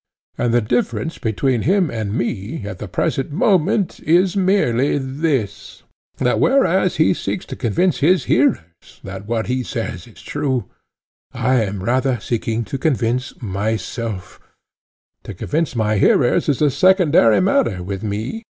And the difference between him and me at the present moment is merely this—that whereas he seeks to convince his hearers that what he says is true, I am rather seeking to convince myself; to convince my hearers is a secondary matter with me.